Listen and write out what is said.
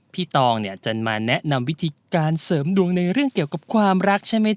พี่ตองจะมาแนะนำวิธีสรรค์ดวงในเรื่องเกี่ยวกับความรักใช่ไหม